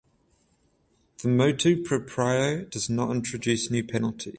The "motu proprio" does not introduce new penalties.